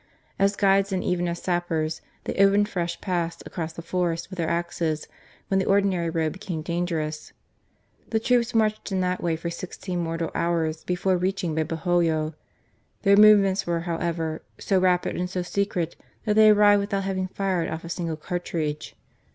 As guides, and even as sappers, they opened fresh paths across the forest with their axes, when the ordinary road became dangerous. The troops marched in that way for sixteen mortal hours before reaching Babahoyo. Their movements were, however, so rapid and so secret, that they arrived without having fired off a single cartridge.